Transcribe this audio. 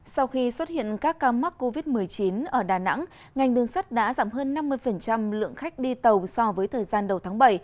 sau khi xuất hiện các ca mắc covid một mươi chín ở đà nẵng ngành đường sắt đã giảm hơn năm mươi lượng khách đi tàu so với thời gian đầu tháng bảy